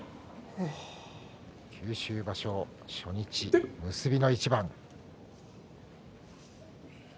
九州場所初日の結びの一番。